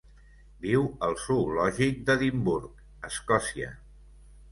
Viu al zoològic d'Edimburg, Escòcia.